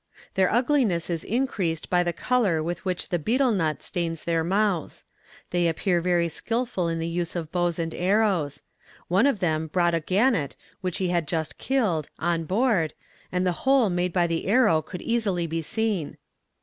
"Their ugliness is increased by the colour with which the betel nut stains their mouths. They appear very skilful in the use of bows and arrows. One of them brought a gannet which he had just killed, on board, and the hole made by the arrow could easily be seen.